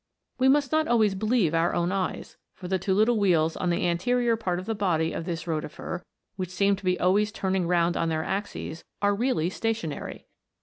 We must not always believe our own eyes for the two little wheels on the anterior part of the body of this roti fer, which seem to be always turning round on their axes, are really stationary.